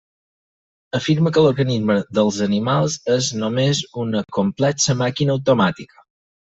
Afirma que l'organisme dels animals és només una complexa màquina automàtica.